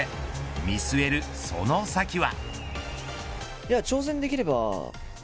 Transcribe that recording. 見据えるその先は。